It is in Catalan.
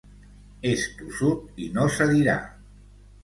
És tossut i no cedirà.